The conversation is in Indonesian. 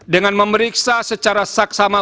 dengan memeriksa secara saksama